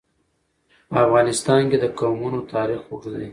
په افغانستان کې د قومونه تاریخ اوږد دی.